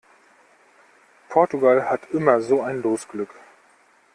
Portugal hat immer so ein Losglück!